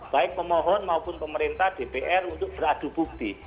baik pemohon maupun pemerintah dpr untuk beradu bukti